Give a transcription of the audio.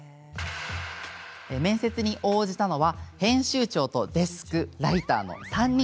面接に応じたのは編集長とデスク、ライターの３人。